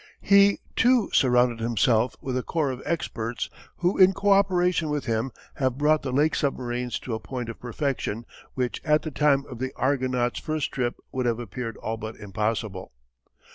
He, too, surrounded himself with a corps of experts who in co operation with him have brought the Lake submarines to a point of perfection which at the time of the Argonaut's first trip would have appeared all but impossible.